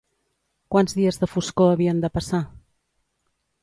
Quants dies de foscor havien de passar?